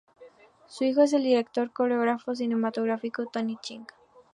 Su hijo es el director y coreógrafo cinematográfico Tony Ching.